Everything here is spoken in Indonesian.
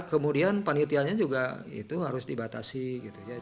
kemudian penitiannya juga itu harus dibatasi gitu